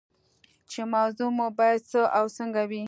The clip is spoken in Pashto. چې موضوع مو باید څه او څنګه وي.